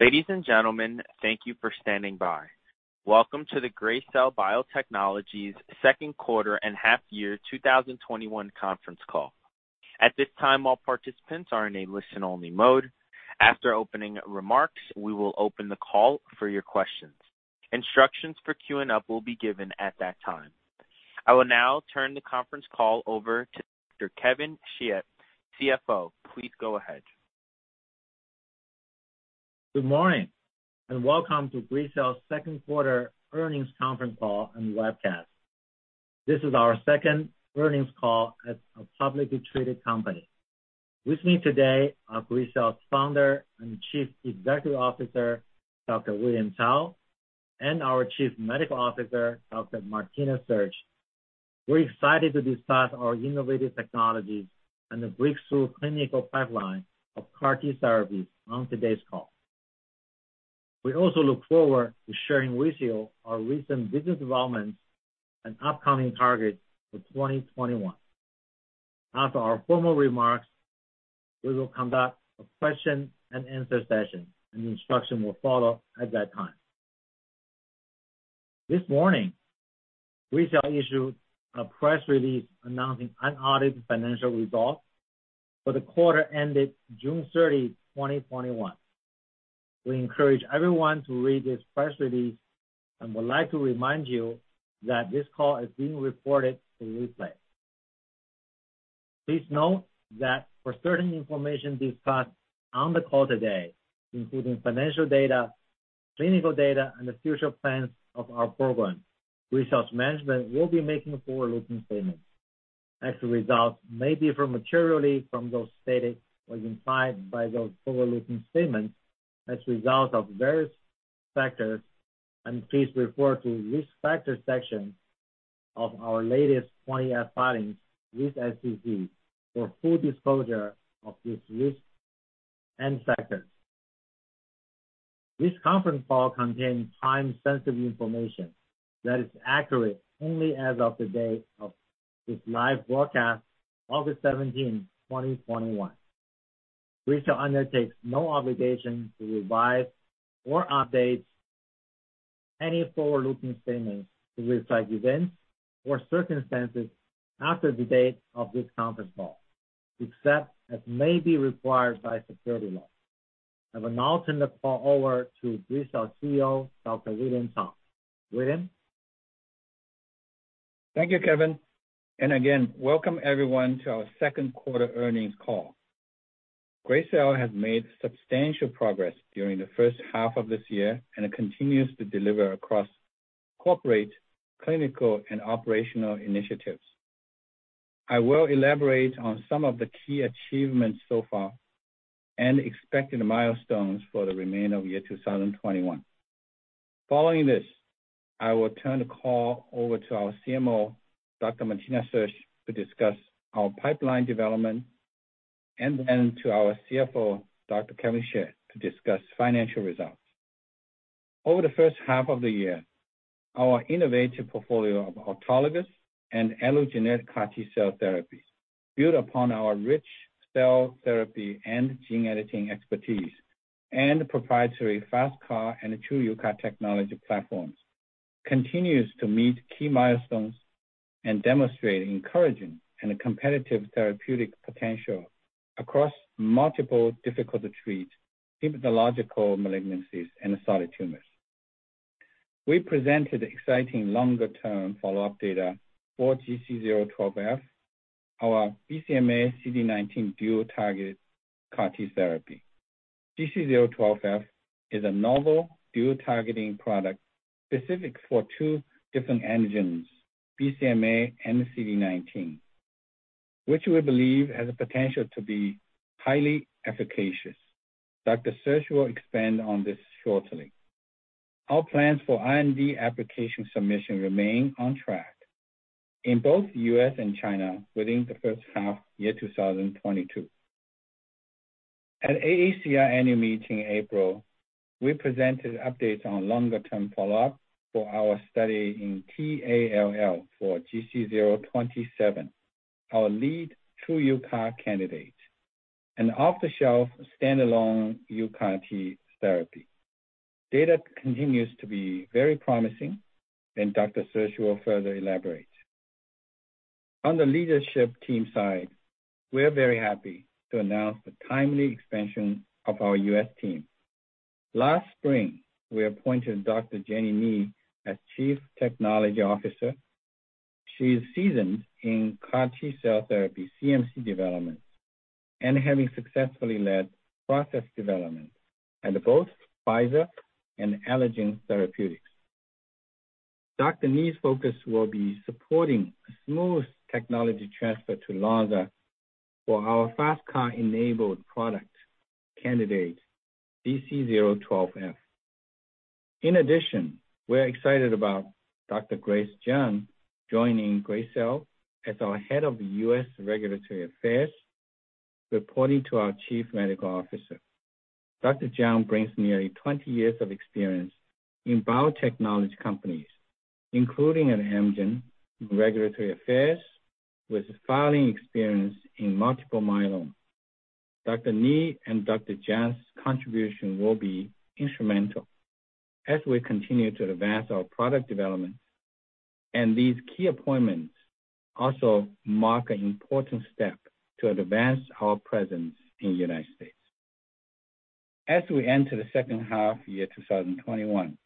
Ladies and gentlemen, thank you for standing by. Welcome to the Gracell Biotechnologies second quarter and half year 2021 conference call. At this time, all participants are in a listen-only mode. After opening remarks, we will open the call for your questions. Instructions for queuing up will be given at that time. I will now turn the conference call over to Dr. Kevin Xie, CFO. Please go ahead. Good morning, and welcome to Gracell's second quarter earnings conference call and webcast. This is our second earnings call as a publicly-traded company. With me today are Gracell's Founder and Chief Executive Officer, Dr. William Cao, and our Chief Medical Officer, Dr. Martina Sersch. We're excited to discuss our innovative technologies and the breakthrough clinical pipeline of CAR T therapy on today's call. We also look forward to sharing with you our recent business developments and upcoming targets for 2021. After our formal remarks, we will conduct a question-and-answer session, and instruction will follow at that time. This morning, Gracell issued a press release announcing unaudited financial results for the quarter ended June 30, 2021. We encourage everyone to read this press release and would like to remind you that this call is being recorded for replay. Please note that for certain information discussed on the call today, including financial data, clinical data, and the future plans of our program, Gracell's management will be making forward-looking statements. Actual results may differ materially from those stated or implied by those forward-looking statements as a result of various factors, and please refer to risk factors section of our latest Form 20-F filings with SEC for full disclosure of these risks and factors. This conference call contains time-sensitive information that is accurate only as of the day of this live broadcast, August 17, 2021. Gracell undertakes no obligation to revise or update any forward-looking statements to reflect events or circumstances after the date of this conference call, except as may be required by security law. I will now turn the call over to Gracell CEO, Dr. William Cao. William? Thank you, Kevin, and again, welcome everyone to our second quarter earnings call. Gracell has made substantial progress during the first half of this year and it continues to deliver across corporate, clinical, and operational initiatives. I will elaborate on some of the key achievements so far and expected milestones for the remainder of year 2021. Following this, I will turn the call over to our CMO, Dr. Martina Sersch, to discuss our pipeline development, and then to our CFO, Dr. Kevin Xie, to discuss financial results. Over the first half of the year, our innovative portfolio of autologous and allogeneic CAR T-cell therapies, built upon our rich cell therapy and gene editing expertise, and proprietary FasTCAR and TruUCAR technology platforms, continues to meet key milestones and demonstrate encouraging and competitive therapeutic potential across multiple difficult-to-treat hematological malignancies and solid tumors. We presented exciting longer-term follow-up data for GC012F, our BCMA/CD19 dual-target CAR T therapy. GC012F is a novel dual targeting product specific for two different antigens, BCMA and CD19, which we believe has the potential to be highly efficacious. Dr. Sersch will expand on this shortly. Our plans for IND application submission remain on track in both the U.S. and China within the first half year 2022. At AACR annual meeting in April, we presented updates on longer term follow-up for our study in T-ALL for GC027, our lead TruUCAR candidate, an off-the-shelf standalone UCAR T therapy. Data continues to be very promising. Dr. Sersch will further elaborate. On the leadership team side, we're very happy to announce the timely expansion of our U.S. team. Last spring, we appointed Dr. Jenny Ni as Chief Technology Officer. She is seasoned in CAR T-cell therapy CMC developments, having successfully led process development at both Pfizer and Allogene Therapeutics. Dr. Ni's focus will be supporting a smooth technology transfer to Lonza for our FasTCAR-enabled product candidate, GC012F. In addition, we're excited about Dr. Grace Jiang joining Gracell as our Head of U.S. Regulatory Affairs, reporting to our Chief Medical Officer. Dr. Jiang brings nearly 20 years of experience in biotechnology companies, including at Amgen in regulatory affairs with filing experience in multiple myeloma. Dr. Ni and Dr. Jiang's contribution will be instrumental as we continue to advance our product development. These key appointments also mark an important step to advance our presence in U.S. As we enter the second half year 2021,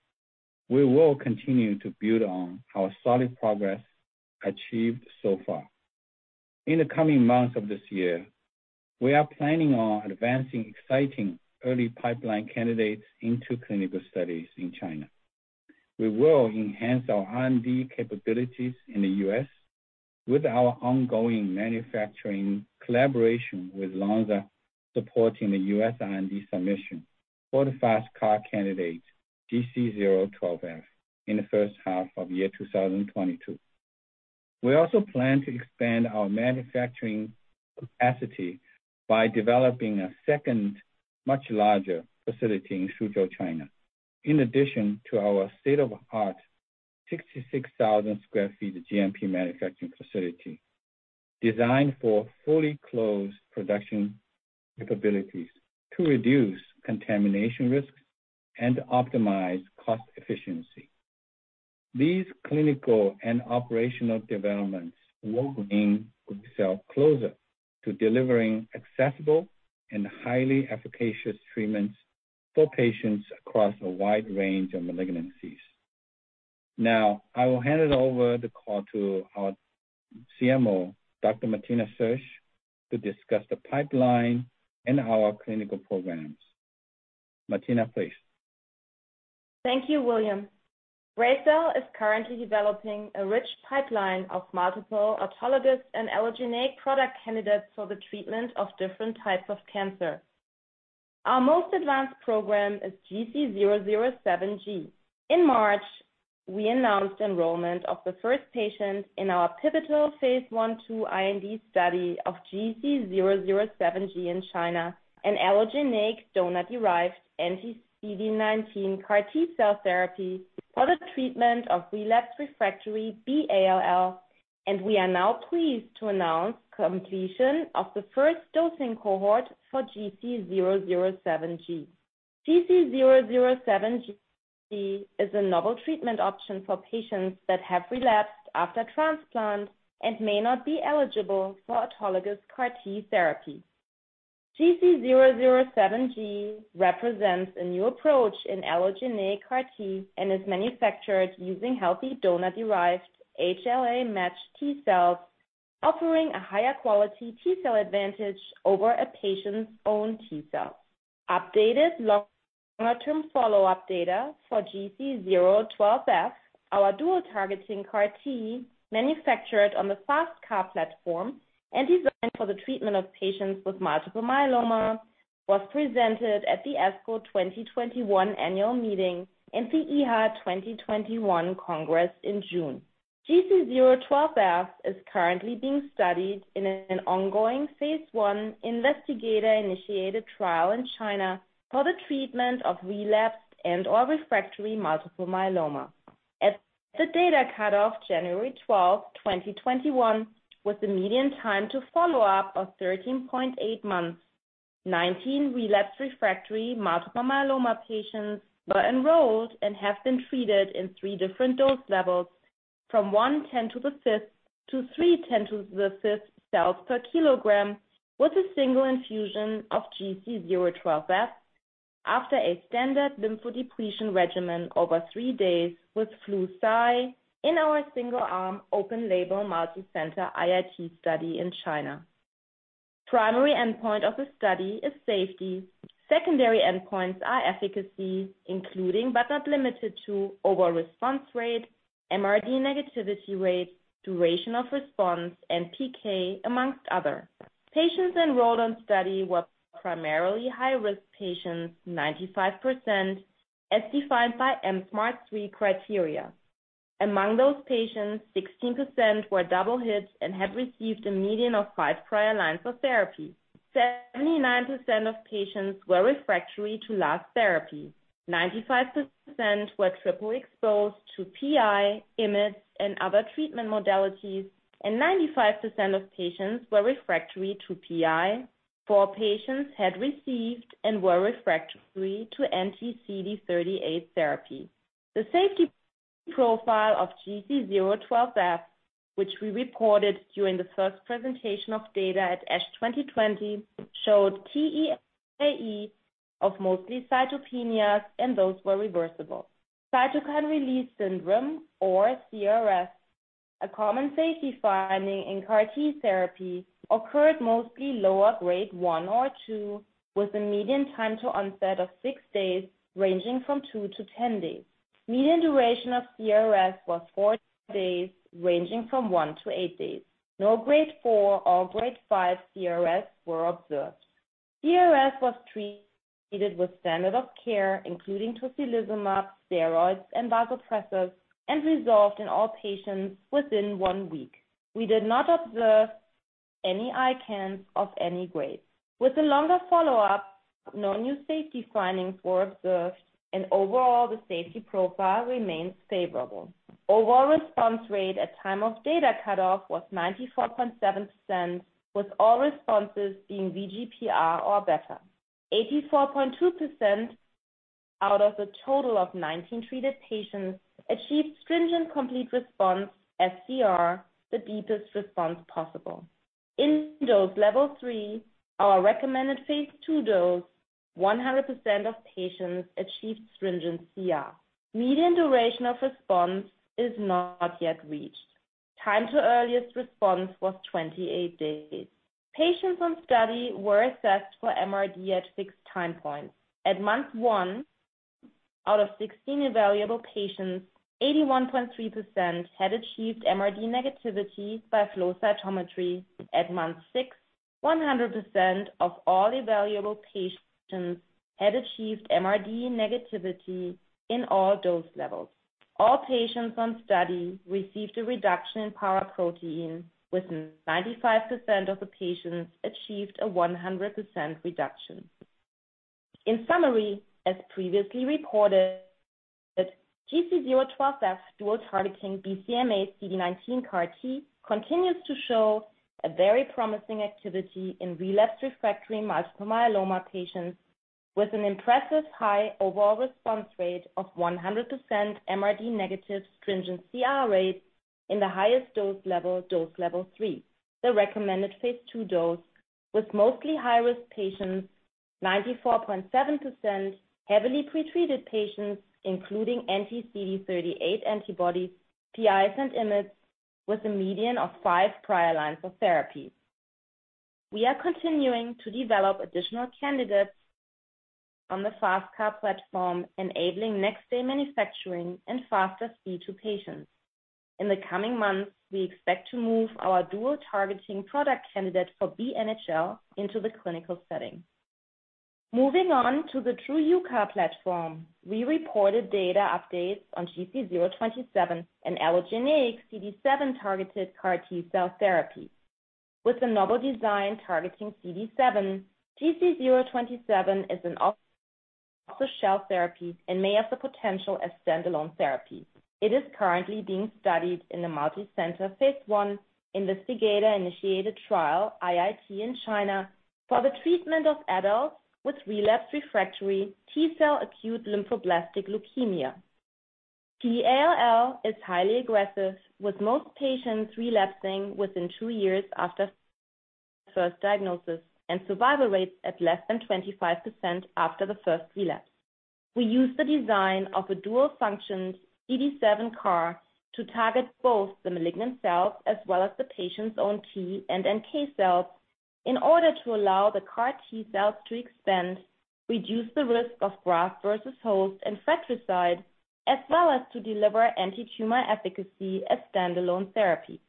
we will continue to build on our solid progress achieved so far. In the coming months of this year, we are planning on advancing exciting early pipeline candidates into clinical studies in China. We will enhance our R&D capabilities in the U.S. with our ongoing manufacturing collaboration with Lonza, supporting the U.S. R&D submission for the FasTCAR candidate GC012F in the first half of year 2022. We also plan to expand our manufacturing capacity by developing a second much larger facility in Suzhou, China. In addition to our state-of-art 66,000 sq ft GMP manufacturing facility, designed for fully closed production capabilities to reduce contamination risks and optimize cost efficiency. These clinical and operational developments will bring Gracell closer to delivering accessible and highly efficacious treatments for patients across a wide range of malignancies. Now, I will hand it over the call to our CMO, Dr. Martina Sersch, to discuss the pipeline and our clinical programs. Martina, please. Thank you, William. Gracell is currently developing a rich pipeline of multiple autologous and allogeneic product candidates for the treatment of different types of cancer. Our most advanced program is GC007g. In March, we announced enrollment of the first patient in our pivotal phase I/II IND study of GC007g in China, an allogeneic donor-derived anti-CD19 CAR-T cell therapy for the treatment of relapsed/refractory B-ALL. We are now pleased to announce completion of the first dosing cohort for GC007g. GC007g is a novel treatment option for patients that have relapsed after transplant and may not be eligible for autologous CAR-T therapy. GC007g represents a new approach in allogeneic CAR-T and is manufactured using healthy donor-derived HLA matched T-cells, offering a higher quality T-cell advantage over a patient's own T-cell. Updated longer-term follow-up data for GC012F, our dual targeting CAR T manufactured on the FasTCAR platform and designed for the treatment of patients with multiple myeloma, was presented at the ASCO 2021 Annual Meeting and the EHA 2021 Congress in June. GC012F is currently being studied in an ongoing phase I investigator-initiated trial in China for the treatment of relapsed and/or refractory multiple myeloma. At the data cutoff January 12th, 2021, with the median time to follow-up of 13.8 months, 19 relapsed/refractory multiple myeloma patients were enrolled and have been treated in three different dose levels, from 1x10^5 to 3x10^5 cells per kilogram with a single infusion of GC012F after a standard lymphodepletion regimen over three days with Flu/Cy in our single arm open label multicenter IIT study in China. Primary endpoint of the study is safety. Secondary endpoints are efficacy, including, but not limited to, overall response rate, MRD negativity rate, duration of response, and PK, amongst other. Patients enrolled on study were primarily high risk patients, 95%, as defined by mSMART 3.0 criteria. Among those patients, 16% were double hits and had received a median of five prior lines of therapy. 79% of patients were refractory to last therapy. 95% were triple-exposed to PI, IMiDs, and other treatment modalities, and 95% of patients were refractory to PI. Four patients had received and were refractory to anti-CD38 therapy. The safety profile of GC012F, which we reported during the first presentation of data at ASH 2020, showed TEAE of mostly cytopenias, and those were reversible. Cytokine release syndrome, or CRS, a common safety finding in CAR T therapy, occurred mostly lower grade 1 or 2, with a median time to onset of six days, ranging from 2-10 days. Median duration of CRS was 4 days, ranging from one to eight days. No grade 4 or grade 5 CRS were observed. CRS was treated with standard of care, including tocilizumab, steroids, and vasopressors, and resolved in all patients within one week. We did not observe any ICANS of any grades. With the longer follow-up, no new safety findings were observed, and overall, the safety profile remains favorable. Overall response rate at time of data cutoff was 94.7%, with all responses being VGPR or better. 84.2% out of the total of 19 treated patients achieved stringent complete response, SCR, the deepest response possible. In those level 3, our recommended phase II dose, 100% of patients achieved stringent CR. Median duration of response is not yet reached. Time to earliest response was 28 days. Patients on study were assessed for MRD at fixed time points. At month one, out of 16 evaluable patients, 81.3% had achieved MRD negativity by flow cytometry. At month six, 100% of all evaluable patients had achieved MRD negativity in all dose levels. All patients on study received a reduction in paraprotein, with 95% of the patients achieved a 100% reduction. In summary, as previously reported, GC012F dual targeting BCMA CD19 CAR T continues to show a very promising activity in relapsed/refractory multiple myeloma patients with an impressive high overall response rate of 100% MRD negative stringent CR rate in the highest dose level, dose level 3, the recommended phase II dose, with mostly high-risk patients, 94.7% heavily pretreated patients, including anti-CD38 antibodies, PIs, and IMiDs, with a median of fie prior lines of therapy. We are continuing to develop additional candidates on the FasTCAR platform, enabling next-day manufacturing and faster speed to patients. In the coming months, we expect to move our dual targeting product candidate for BNHL into the clinical setting. Moving on to the TruUCAR platform, we reported data updates on GC027, an allogeneic CD7-targeted CAR T-cell therapy. With the novel design targeting CD7, GC027 is an off-the-shelf therapy and may have the potential as standalone therapy. It is currently being studied in a multicenter phase I investigator-initiated trial, IIT in China, for the treatment of adults with relapsed/refractory T-cell acute lymphoblastic leukemia. T-ALL is highly aggressive, with most patients relapsing within two years after first diagnosis and survival rates at less than 25% after the first relapse. We use the design of a dual function CD7 CAR to target both the malignant cells as well as the patient's own T and NK cells in order to allow the CAR T cells to expand, reduce the risk of graft versus host and fratricide, as well as to deliver antitumor efficacy as standalone therapy.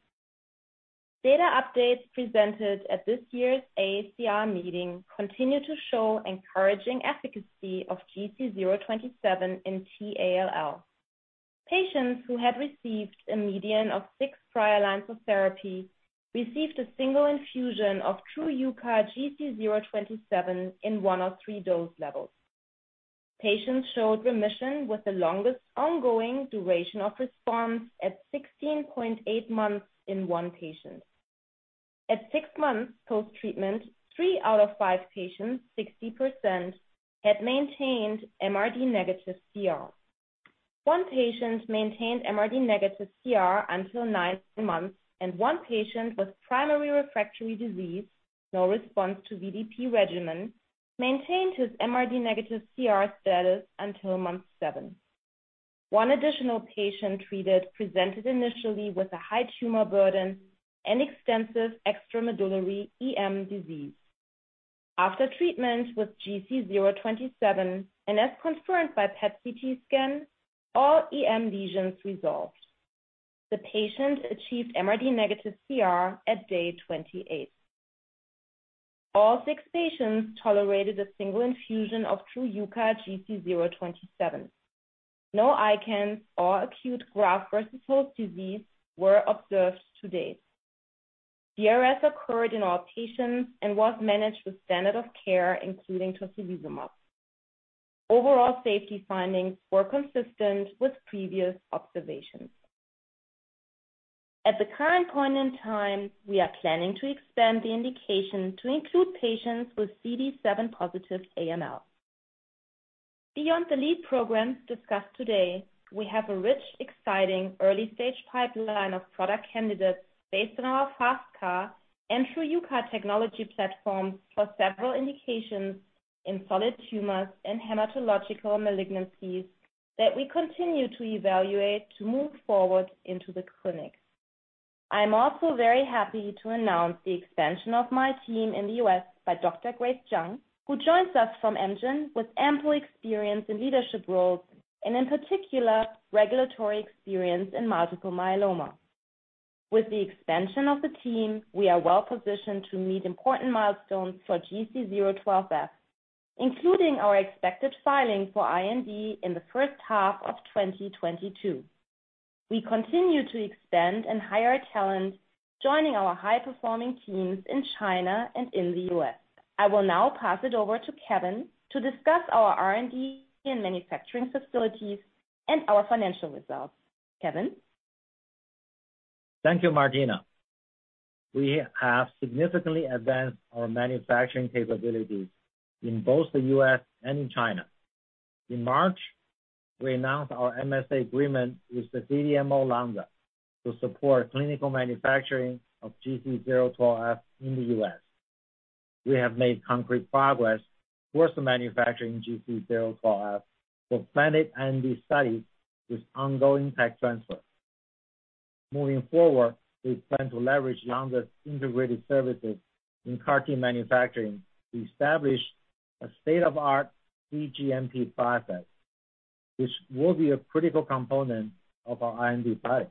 Data updates presented at this year's AACR meeting continue to show encouraging efficacy of GC027 in T-ALL. Patients who had received a median of six prior lines of therapy received a single infusion of TruUCAR GC027 in one of three dose levels. Patients showed remission with the longest ongoing duration of response at 16.8 months in one patient. At six months post-treatment, three out of give patients, 60%, had maintained MRD-negative CR. One patient maintained MRD-negative CR until nine months, and one patient with primary refractory disease, no response to VDP regimen, maintained his MRD-negative CR status until month seven. One additional patient treated presented initially with a high tumor burden and extensive extramedullary EM disease. After treatment with GC027, and as confirmed by PET/CT scan, all EM lesions resolved. The patient achieved MRD-negative CR at day 28. All six patients tolerated a single infusion of TruUCAR GC027. No ICANS or acute graft versus host disease were observed to date. CRS occurred in all patients and was managed with standard of care, including tocilizumab. Overall safety findings were consistent with previous observations. At the current point in time, we are planning to expand the indication to include patients with CD7-positive AML. Beyond the lead programs discussed today, we have a rich, exciting early-stage pipeline of product candidates based on our FasTCAR and TruUCAR technology platforms for several indications in solid tumors and hematological malignancies that we continue to evaluate to move forward into the clinic. I'm also very happy to announce the expansion of my team in the U.S. by Dr. Grace Jiang, who joins us from Amgen with ample experience in leadership roles and in particular regulatory experience in multiple myeloma. With the expansion of the team, we are well-positioned to meet important milestones for GC012F, including our expected filing for IND in the first half of 2022. We continue to expand and hire talent, joining our high-performing teams in China and in the U.S. I will now pass it over to Kevin to discuss our R&D and manufacturing facilities and our financial results. Kevin? Thank you, Martina. We have significantly advanced our manufacturing capabilities in both the U.S. and in China. In March, we announced our MSA agreement with the CDMO Lonza to support clinical manufacturing of GC012F in the U.S. We have made concrete progress towards the manufacturing GC012F for planned IND studies with ongoing tech transfer. Moving forward, we plan to leverage Lonza's integrated services in CAR T manufacturing to establish a state-of-the-art cGMP process, which will be a critical component of our IND filing.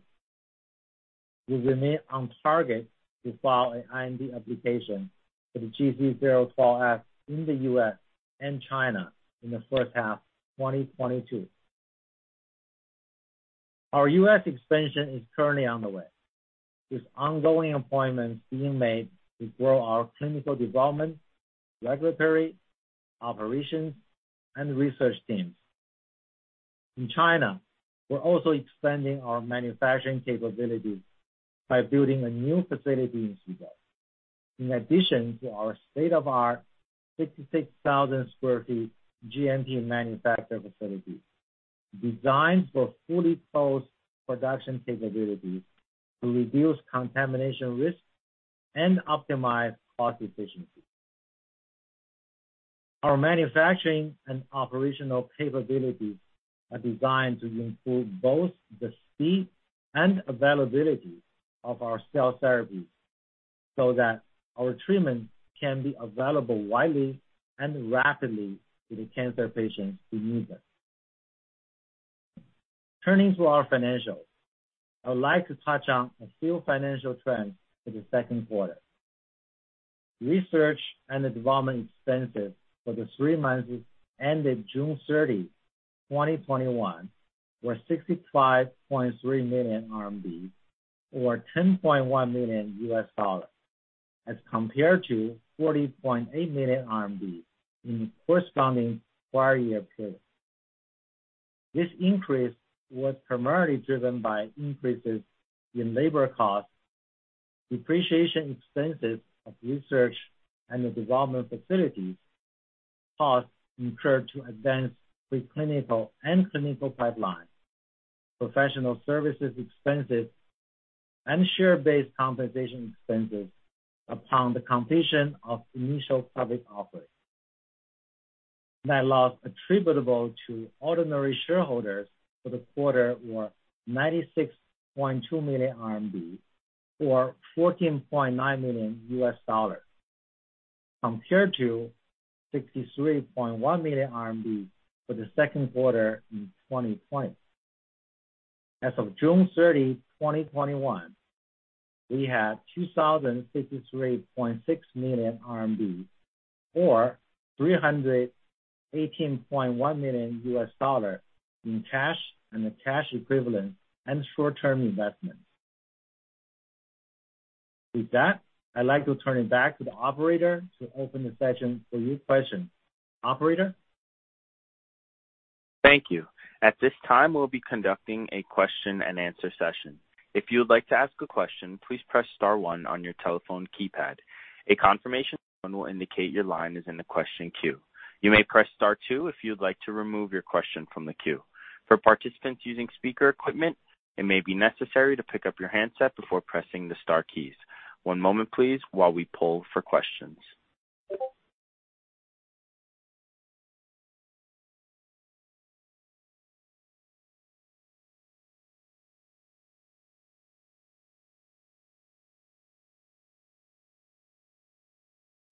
We remain on target to file an IND application for the GC012F in the U.S. and China in the first half 2022. Our U.S. expansion is currently underway, with ongoing appointments being made to grow our clinical development, regulatory, operations, and research teams. In China, we're also expanding our manufacturing capabilities by building a new facility in Suzhou. In addition to our state-of-the-art 66,000 sq ft GMP manufacturing facility, designed for fully closed production capabilities to reduce contamination risk and optimize cost efficiency. Our manufacturing and operational capabilities are designed to improve both the speed and availability of our cell therapies so that our treatment can be available widely and rapidly to the cancer patients who need them. Turning to our financials, I would like to touch on a few financial trends for the second quarter. Research and development expenses for the three months ended June 30, 2021, were 65.3 million RMB or $10.1 million as compared to 40.8 million RMB in the corresponding prior year period. This increase was primarily driven by increases in labor costs, depreciation expenses of research and development facilities, costs incurred to advance pre-clinical and clinical pipeline, professional services expenses, and share-based compensation expenses upon the completion of initial public offering. Net loss attributable to ordinary shareholders for the quarter were 96.2 million RMB or $14.9 million, compared to 63.1 million RMB for the second quarter in 2020. As of June 30, 2021, we had RMB 2,063.6 million or $318.1 million in cash and cash equivalents and short-term investments. With that, I'd like to turn it back to the operator to open the session for your questions. Operator? Thank you. At this time, we'll be conducting a question-and-answer session. If you would like to ask a question, please press star one on your telephone keypad. A confirmation tone will indicate your line is in the question queue. You may press star two if you'd like to remove your question from the queue. For participants using speaker equipment, it may be necessary to pick up your handset before pressing the star keys. One moment please while we poll for questions.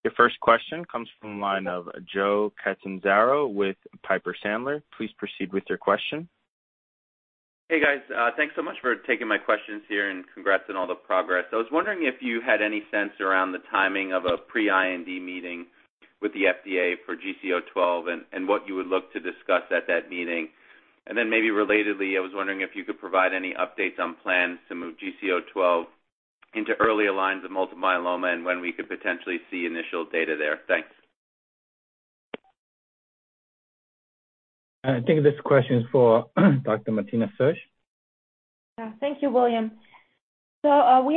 Your first question comes from the line of Joe Catanzaro with Piper Sandler. Please proceed with your question. Hey, guys. Thanks so much for taking my questions here, and congrats on all the progress. I was wondering if you had any sense around the timing of a pre-IND meeting with the FDA for GC012 and what you would look to discuss at that meeting. Maybe relatedly, I was wondering if you could provide any updates on plans to move GC012 into earlier lines of multiple myeloma and when we could potentially see initial data there. Thanks. I think this question is for Dr. Martina Sersch. Yeah. Thank you, William. We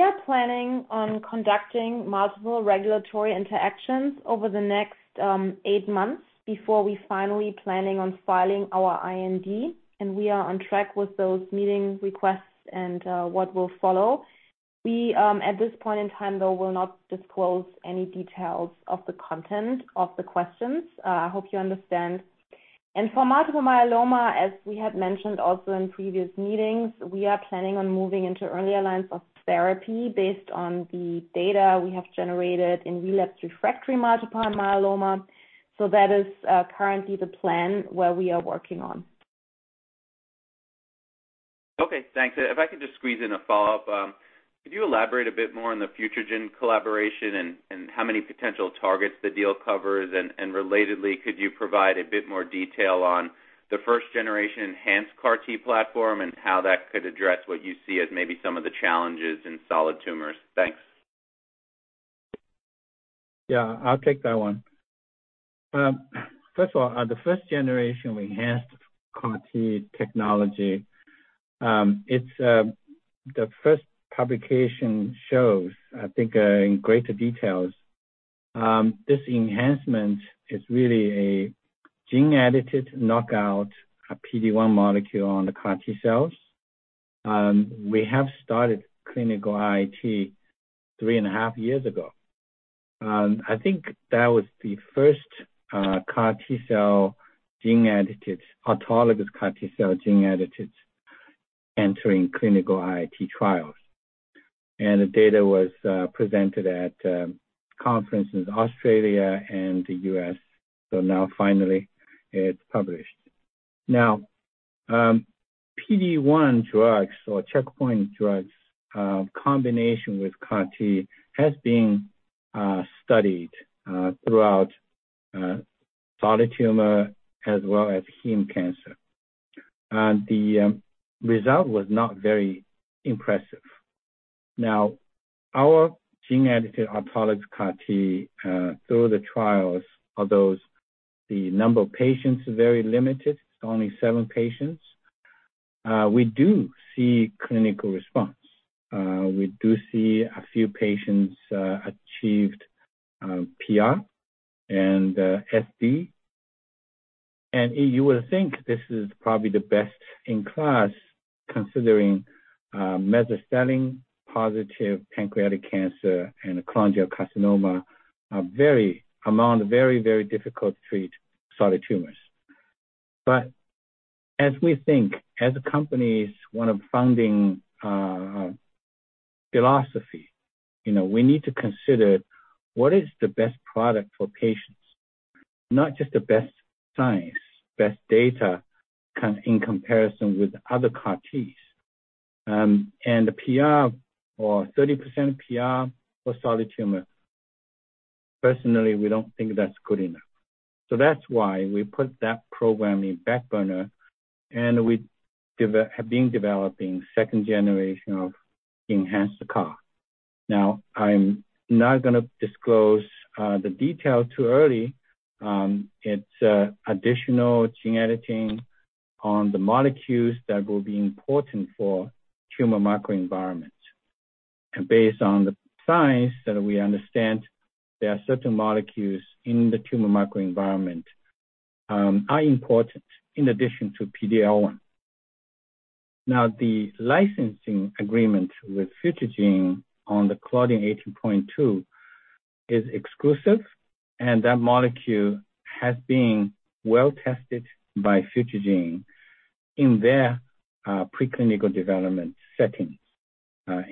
are planning on conducting multiple regulatory interactions over the next eight months before we finally planning on filing our IND, and we are on track with those meeting requests and what will follow. We, at this point in time, though, will not disclose any details of the content of the questions. I hope you understand. For multiple myeloma, as we had mentioned also in previous meetings, we are planning on moving into earlier lines of therapy based on the data we have generated in relapsed refractory multiple myeloma so that is currently the plan where we are working on. Okay, thanks. If I could just squeeze in a follow-up. Could you elaborate a bit more on the FutureGen collaboration and how many potential targets the deal covers? Relatedly, could you provide a bit more detail on the first generation enhanced CAR T platform and how that could address what you see as maybe some of the challenges in solid tumors? Thanks. Yeah, I'll take that one. First of all, on the first-generation enhanced CAR T technology, the first publication shows, I think, in greater details, this enhancement is really a gene-edited knockout, a PD-1 molecule on the CAR T cells. We have started clinical IIT three and a half years ago. I think that was the first autologous CAR T cell gene-edited entering clinical IIT trials. The data was presented at conferences Australia and the U.S., so now finally it's published. Now, PD-1 drugs or checkpoint drugs, combination with CAR T has been studied throughout solid tumor as well as heme cancer. The result was not very impressive. Now, our gene-edited autologous CAR T through the trials, although the number of patients is very limited, it's only seven patients, we do see clinical response. We do see a few patients achieved PR and SD. You would think this is probably the best in class considering mesothelin positive pancreatic cancer and cholangiocarcinoma are among very difficult to treat solid tumors. As we think, as a company's one of founding philosophy, we need to consider what is the best product for patients, not just the best science, best data in comparison with other CAR Ts. The PR, or 30% PR for solid tumor, personally, we don't think that's good enough. That's why we put that program in back burner and we have been developing second generation of enhanced CAR. Now, I'm not going to disclose the detail too early. It's additional gene editing on the molecules that will be important for tumor microenvironments. Based on the science that we understand, there are certain molecules in the tumor microenvironment are important in addition to PD-L1. Now, the licensing agreement with FutureGen on the claudin 18.2 is exclusive, and that molecule has been well tested by FutureGen in their preclinical development settings,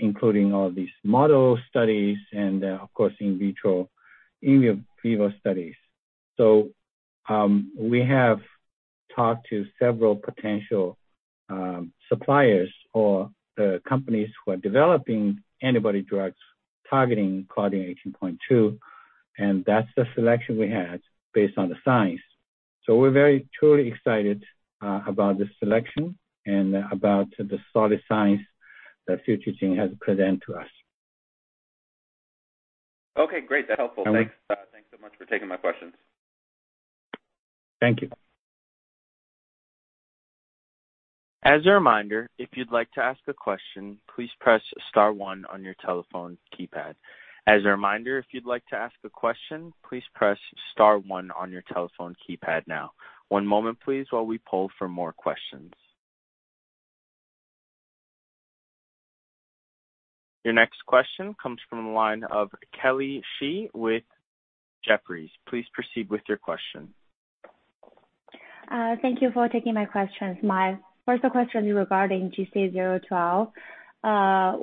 including all these model studies and of course in-vitro, in-vivo studies. We have talked to several potential suppliers or companies who are developing antibody drugs targeting claudin 18.2, and that's the selection we had based on the science. We're very truly excited about this selection and about the solid science that FutureGen has presented to us. Okay, great. That helpful. Thanks so much for taking my questions. Thank you. As a reminder if you would like to ask a question, please press star one on your telephone keypad. As a reminder, if you would like to ask a question, please press star one on your telephone keypad now. One moment please while we pause for more questions. Your next question comes from the line of Kelly Shi with Jefferies. Please proceed with your question. Thank you for taking my questions. My first question regarding GC012.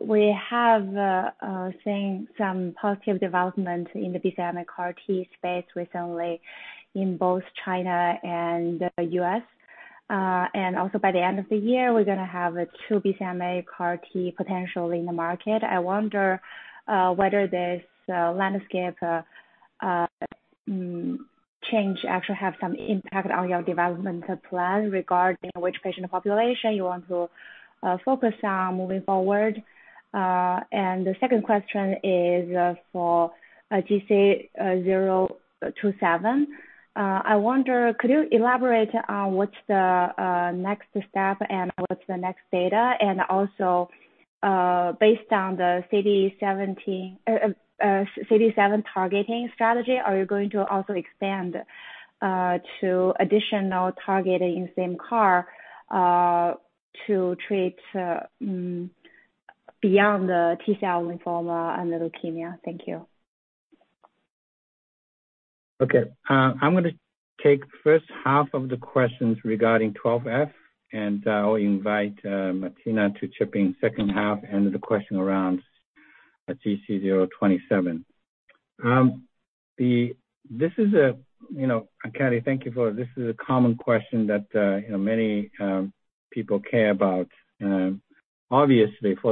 We have seen some positive development in the BCMA CAR T space recently in both China and the U.S. Also by the end of the year, we're going to have two BCMA CAR T potentially in the market. I wonder whether this landscape change actually have some impact on your development plan regarding which patient population you want to focus on moving forward. The second question is for GC027. I wonder, could you elaborate on what's the next step and what's the next data? Also, based on the CD7 targeting strategy, are you going to also expand to additional targeting same CAR to treat beyond the T-cell lymphoma and leukemia? Thank you. Okay. I'm going to take first half of the questions regarding 12-F, and I'll invite Martina to chip in second half and the question around GC027. Kelly, thank you for this. This is a common question that many people care about. For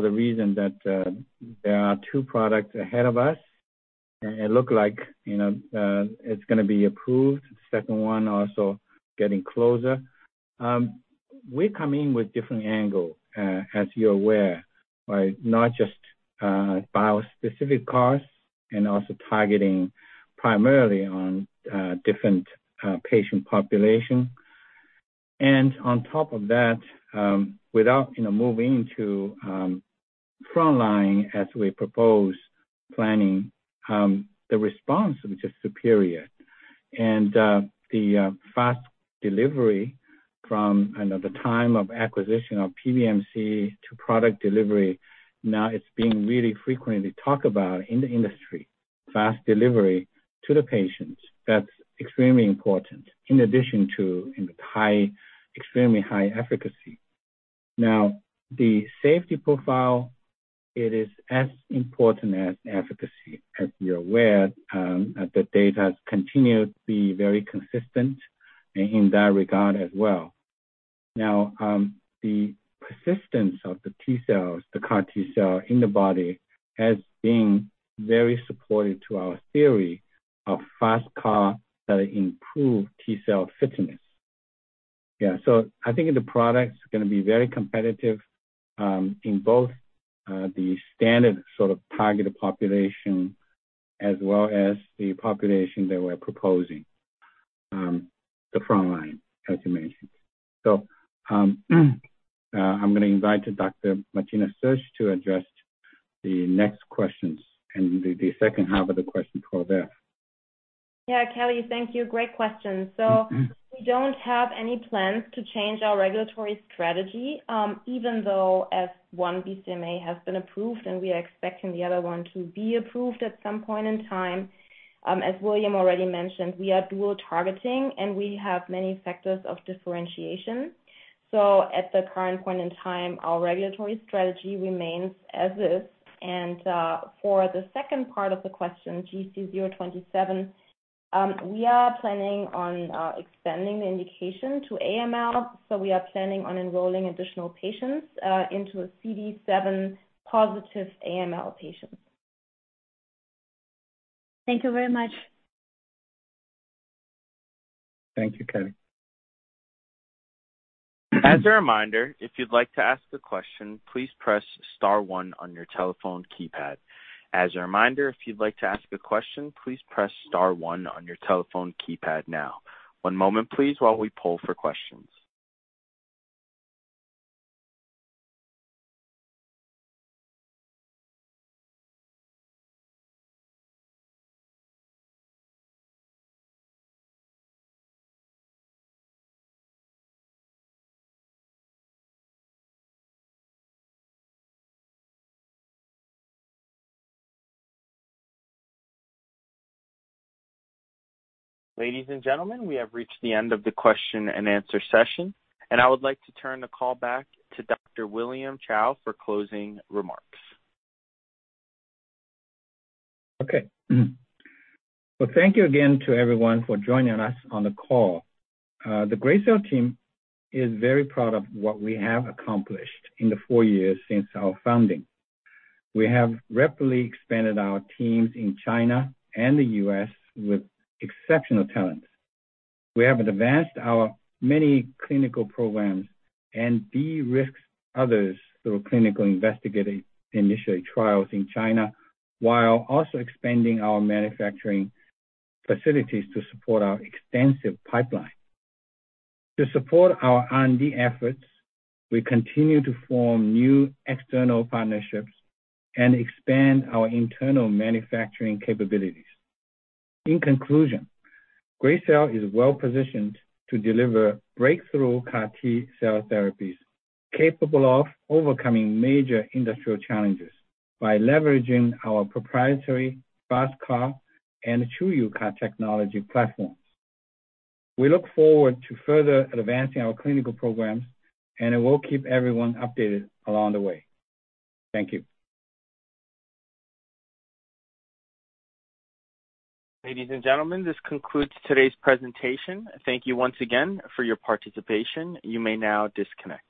the reason that there are two products ahead of us, and it looks like it's going to be approved. The second one also getting closer. We come in with different angle, as you're aware, by not just bispecific CARs and also targeting primarily on different patient population. On top of that, without moving to frontline as we propose planning, the response, which is superior, and the fast delivery from the time of acquisition of PBMC to product delivery, now it's being really frequently talked about in the industry, fast delivery to the patients. That's extremely important Iin addition to extremely high efficacy. Now, the safety profile, it is as important as efficacy. As you're aware, the data has continued to be very consistent in that regard as well. Now, the persistence of the T-cells, the CAR T-cell in the body has been very supportive to our theory of FasTCAR that improve T-cell fitness. Yeah. I think the product's going to be very competitive, in both the standard sort of targeted population as well as the population that we're proposing, the frontline, as you mentioned. I'm going to invite Dr. Martina Sersch to address the next questions and the second half of the question for that. Yeah, Kelly, thank you. Great question. We don't have any plans to change our regulatory strategy, even though as one BCMA has been approved, and we are expecting the other one to be approved at some point in time. As William already mentioned, we are dual targeting, and we have many factors of differentiation. At the current point in time, our regulatory strategy remains as is. For the second part of the question, GC027, we are planning on expanding the indication to AML. We are planning on enrolling additional patients into a CD7 positive AML patients. Thank you very much. Thank you, Kelly. As a reminder, if you'd like to ask a question, please press star one on your telephone keypad. As a reminder, if you'd like to ask a question, please press star one on your telephone keypad now. One moment please while we poll for questions. Ladies and gentlemen, we have reached the end of the question-and-answer session, and I would like to turn the call back to Dr. William Cao for closing remarks. Well, thank you again to everyone for joining us on the call. The Gracell team is very proud of what we have accomplished in the four years since our founding. We have rapidly expanded our teams in China and the U.S. with exceptional talent. We have advanced our many clinical programs and de-risked others through clinical investigative initial trials in China, while also expanding our manufacturing facilities to support our extensive pipeline. To support our R&D efforts, we continue to form new external partnerships and expand our internal manufacturing capabilities. In conclusion, Gracell is well-positioned to deliver breakthrough CAR T-cell therapies capable of overcoming major industrial challenges by leveraging our proprietary FasTCAR and TruUCAR technology platforms. We look forward to further advancing our clinical programs, and we'll keep everyone updated along the way. Thank you. Ladies and gentlemen, this concludes today's presentation. Thank you once again for your participation. You may now disconnect.